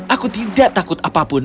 aku tidak takut apapun